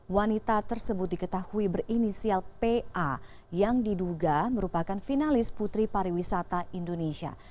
wanita tersebut diketahui berinisial pa yang diduga merupakan finalis putri pariwisata indonesia